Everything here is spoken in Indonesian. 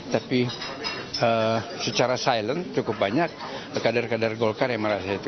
tapi secara silent cukup banyak kader kader golkar yang merasa itu